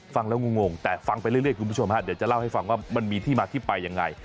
ฟังแล้วงงแต่ฟังไปเรื่อยคุณผู้ชมฮะเดี๋ยวจะเล่าให้ฟังว่ามันมีที่มาที่ไปยังไง